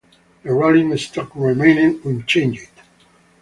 The rolling stock remained unchanged.